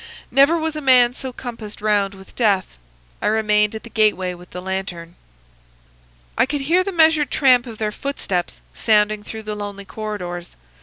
Never was a man so compassed round with death. I remained at the gateway with the lantern. "I could hear the measured tramp of their footsteps sounding through the lonely corridors.